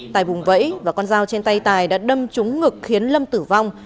tài bùng vẫy và con dao trên tay tài đã đâm trúng ngực khiến lâm tử vong